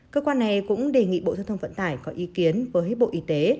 cơ quan này cũng đề nghị bộ giao thông vận tải có ý kiến với bộ y tế